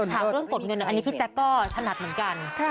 ถามเรื่องกดเงินอันนี้พี่แจ๊คก็ถนัดเหมือนกัน